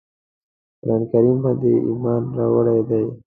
قرآن کریم باندي ایمان راوړی دی.